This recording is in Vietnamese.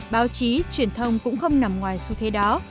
báo chí truyền thông cũng không nằm ngoài xu thế đó